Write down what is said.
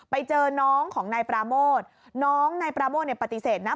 ไปเจอน้องของนายปราโมทน้องนายปราโมทปฏิเสธนะ